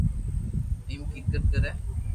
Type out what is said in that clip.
ايم ڪيڪر ڪري